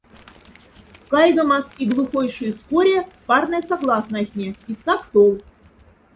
Кайгомас и глухойшис коре парнай согласнайхне и стак тов.